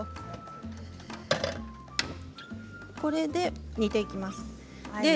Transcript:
これで煮ていきます。